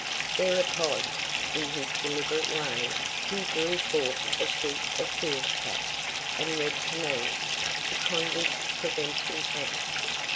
Thereupon, in his deliberate way, he drew forth a sheet of foolscap, and read to me "The Convicts Prevention Act."